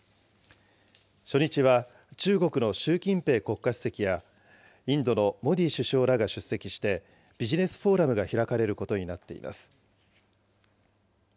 初日は、中国の習近平国家主席やインドのモディ首相らが出席して、ビジネスフォーラムが開かれることになっています。